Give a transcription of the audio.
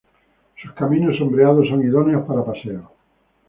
Sus caminos sombreados son idóneos para paseos.